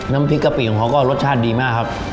น้ำพริกกะปิของเขาก็รสชาติดีมากครับ